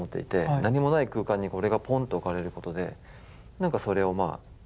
何もない空間にこれがポンと置かれることで何かそれを感じる。